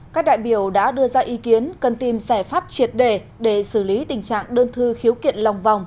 các đại biểu đã đưa ra ý kiến cần tìm giải pháp triệt đề để xử lý tình trạng đơn thư khiếu kiện lòng vòng